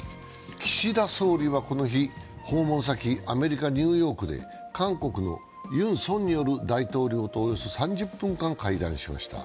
岸田総理はこの日、訪問先、アメリカ・ニューヨークで韓国のユン・ソンニョル大統領とおよそ３０分間会談しました。